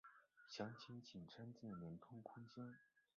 详情请参见连通空间。